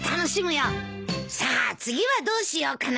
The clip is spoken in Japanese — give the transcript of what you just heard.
さあ次はどうしようかな？